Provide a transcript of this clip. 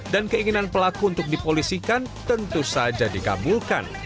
dan keinginan pelaku untuk dipolisikan tentu saja dikabulkan